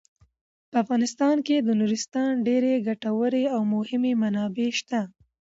په افغانستان کې د نورستان ډیرې ګټورې او مهمې منابع شته.